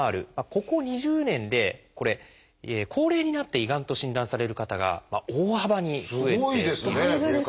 ここ２０年で高齢になって胃がんと診断される方が大幅に増えているんです。